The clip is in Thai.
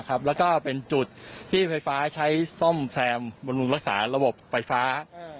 และเป็นจุดที่ไฟฟ้าใช้ส้มแซมมหัวหนังรักษาระบบไฟฟ้า